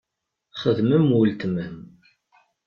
Xdem am uletma-m.